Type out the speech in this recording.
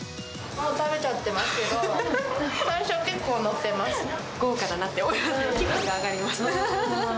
もう食べちゃってますけど、豪華だなって思います、気分が上がります。